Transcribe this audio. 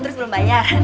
terus belum bayar